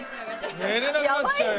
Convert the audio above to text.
寝れなくなっちゃうよ。